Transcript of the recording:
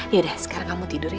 yaudah sekarang kamu tidur ya